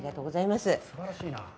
すばらしいな。